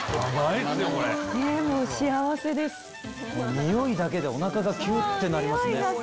匂いだけでおなかがキュってなります。